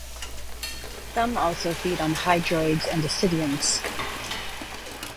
Some also feed on hydroids and ascidians.